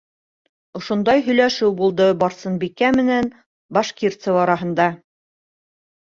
Ошондай һөйләшеү булды Барсынбикә менән Башкирцева араһында.